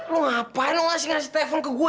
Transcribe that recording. lu ngapain lu ngasih ngasih telepon ke gue